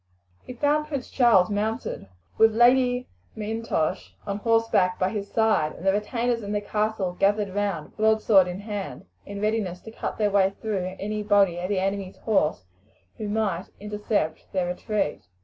He found Prince Charles mounted, with Lady M'Intosh on horseback by his side, and the retainers in the castle gathered round, broadsword in hand, in readiness to cut their way through any body of the enemy's horse who might intercept their retreat.